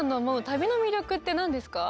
旅の魅力って何ですか？